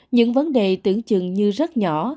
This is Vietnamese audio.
những vấn đề tưởng chừng như rất nhỏ